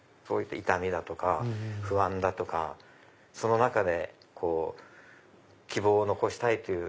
痛みだとか不安だとかその中で希望を残したいという。